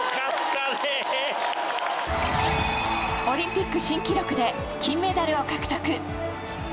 オリンピック新記録で金メダルを獲得。